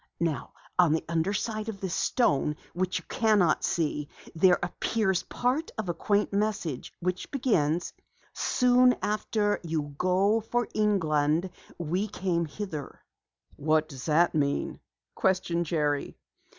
"Now on the underside of this stone which you cannot see, there appears part of a quaint message which begins: 'Soon after you goe for Englande we came hither.'" "What does it mean?" questioned Jerry.